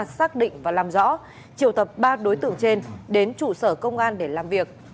xác định và làm rõ triệu tập ba đối tượng trên đến trụ sở công an để làm việc